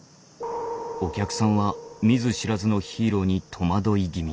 お客さんは見ず知らずのヒーローに戸惑い気味。